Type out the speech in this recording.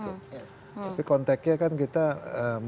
tapi konteknya kan kita